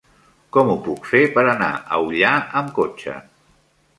Com ho puc fer per anar a Ullà amb cotxe?